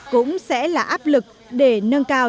cũng sẽ là áp lực để nâng cao